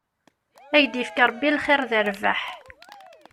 Ad ak-d-yefk Rebbi lxir d rrbeḥ.